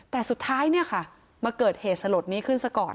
แต่สุดท้ายเนี่ยค่ะมาเกิดเหตุสลดนี้ขึ้นซะก่อน